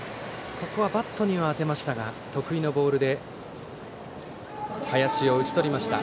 ここはバットには当てましたが得意のボールで林を打ち取りました。